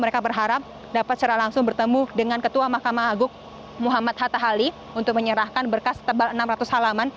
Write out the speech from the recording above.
mereka berharap dapat secara langsung bertemu dengan ketua mahkamah agung muhammad hatta hali untuk menyerahkan berkas tebal enam ratus halaman